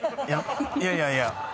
いやいやいや。